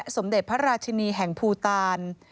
สมเด็จพระราชินีแห่งภูตาล